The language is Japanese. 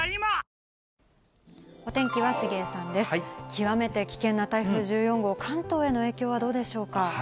極めて危険な台風１４号、関東への影響はどうでしょうか。